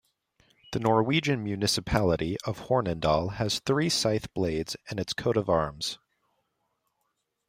The Norwegian municipality of Hornindal has three scythe blades in its coat-of-arms.